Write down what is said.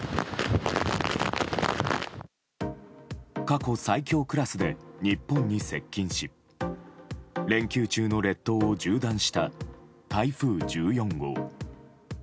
過去最強クラスで日本に接近し連休中の列島を縦断した台風１４号。